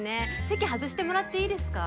席外してもらっていいですか？